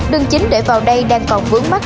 đường chính để vào đây đang còn vướng mắt